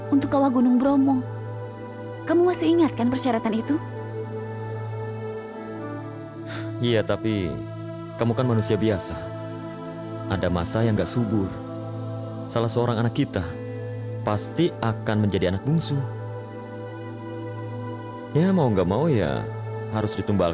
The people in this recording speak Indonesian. untuk ngasih pelajaran buat mereka berdua